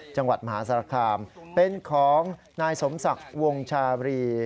จังหวัดมหาสารคามเป็นของนายสมศักดิ์วงชาบรี